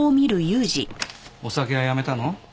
お酒はやめたの？